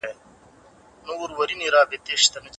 د ټولني سرنوشت په سياسي پرېکړو پوري تړلی دی.